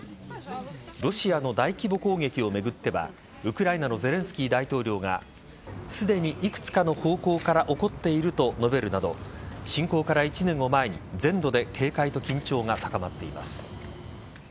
ロシアの大規模攻撃を巡ってはウクライナのゼレンスキー大統領がすでに、いくつかの方向から起こっていると述べるなど侵攻から１年を前に全土で警戒と緊張が高まっています。